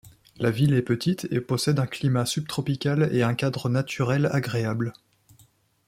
La ville est petite et possède un climat subtropical et un cadre naturel agréable.